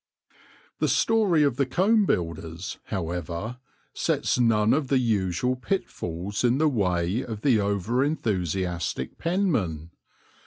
The story of the Comb Builders, however, sets none of the usual pitfalls in the way of the over enthusiastic penman.